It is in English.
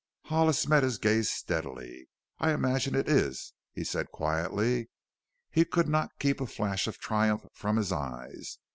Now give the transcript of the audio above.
Hollis met his gaze steadily. "I imagine it is," he said quietly. He could not keep a flash of triumph from his eyes.